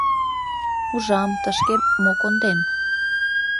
Ужам, тышке мо конден